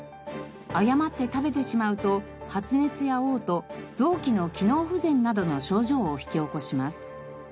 誤って食べてしまうと発熱や嘔吐臓器の機能不全などの症状を引き起こします。